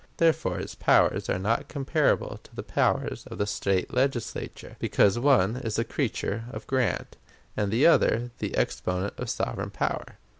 Therefore its powers are not comparable to the powers of the State Legislature, because one is the creature of grant, and the other the exponent of sovereign power.